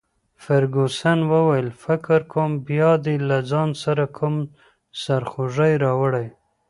فرګوسن وویل: فکر کوم بیا دي له ځان سره کوم سرخوږی راوړی.